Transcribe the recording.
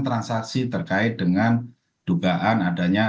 transaksi terkait dengan dugaan adanya